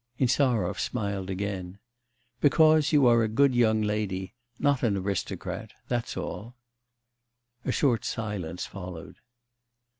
Insarov smiled again. 'Because you are a good young lady, not an aristocrat... that's all.' A short silence followed.